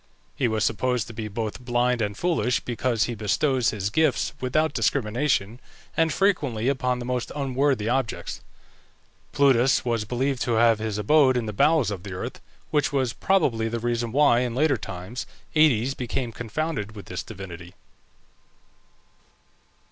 He was supposed to be both blind and foolish, because he bestows his gifts without discrimination, and frequently upon the most unworthy objects. Plutus was believed to have his abode in the bowels of the earth, which was probably the reason why, in later times, Aïdes became confounded with this divinity.